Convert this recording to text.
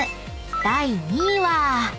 第２位は］